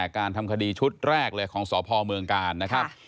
การทำคดีชุดแรกเลยของสพเมืองกาลนะครับ